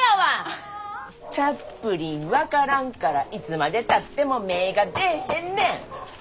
チャップリン分からんからいつまでたっても芽ぇが出えへんねん！